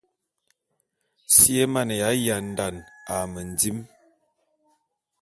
Si é mane yandane a mendim.